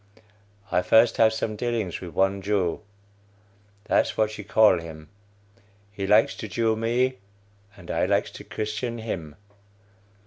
I first have some dealings with one Jew; that's what you call him. He likes to Jew me, and I likes to Christian him.